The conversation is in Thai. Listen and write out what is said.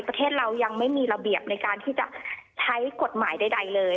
ประเทศเรายังไม่มีระเบียบในการที่จะใช้กฎหมายใดเลย